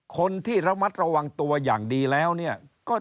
คนที่ระมัดระวังตัวอย่างดีแล้วเนี่ยก็